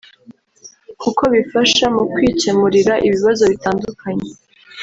kuko bibafasha mu kwikemurira ibibazo bitandukanye